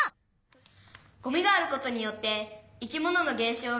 「ゴミがあることによって生き物の減少が続いています！